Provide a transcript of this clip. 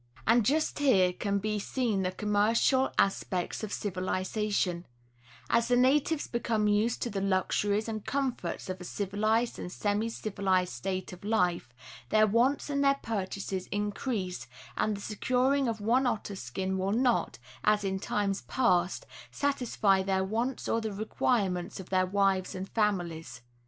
And just here can be seen the commercial aspects of civilization: as the natives become used to the luxuries and comforts of a civilized and semi civilized state of life, their wants and their purchases increase and the securing of one otter skin will not, as in times past, satisfy their wants or the requirements of their wives and families.